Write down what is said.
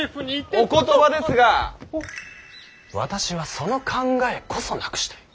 お言葉ですが私はその考えこそなくしたい。